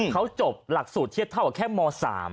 เขาจบหลักสูตรเทียบเท่ากับแค่ม๓